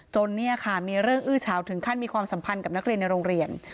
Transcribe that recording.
เนี่ยค่ะมีเรื่องอื้อเฉาถึงขั้นมีความสัมพันธ์กับนักเรียนในโรงเรียน